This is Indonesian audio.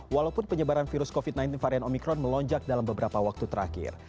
walaupun penyebaran virus covid sembilan belas varian omikron melonjak dalam beberapa waktu terakhir